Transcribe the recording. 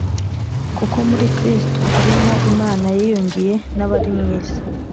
kuko muri Kristo ari mo Imana yiyungiye n'abari mu isi,